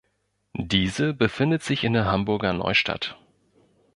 Diese befindet sich in der Hamburger Neustadt.